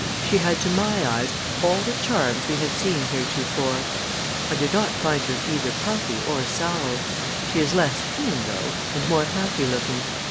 She had to my eyes all the charms we had seen heretofore. I did not find her either puffy or sallow; she is less thin, though, and more happy looking.